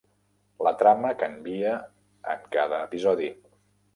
La trama canvia en cada episodi.